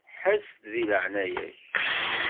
Ḥess-d di leɛnaya-k.